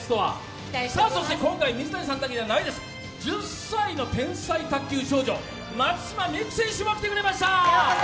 そして今回、水谷さんだけじゃないです、１０歳の天才卓球少女、松島美空選手も来てくれました。